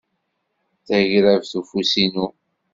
Tagrabt ufus inu.